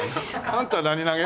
あんたは何投げ？